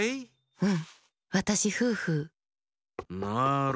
うん。